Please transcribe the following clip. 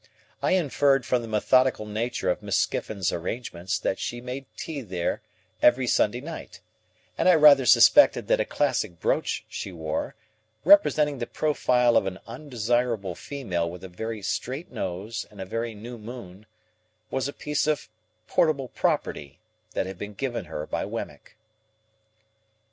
I inferred from the methodical nature of Miss Skiffins's arrangements that she made tea there every Sunday night; and I rather suspected that a classic brooch she wore, representing the profile of an undesirable female with a very straight nose and a very new moon, was a piece of portable property that had been given her by Wemmick.